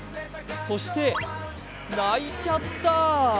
そして泣いちゃった。